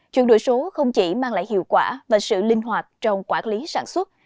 chuyển đổi số không chỉ mang lại hiệu quả và sự linh hoạt trong quản lý sản xuất